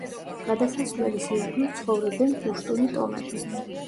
გადასასვლელის ირგვლივ ცხოვრობენ პუშტუნი ტომები.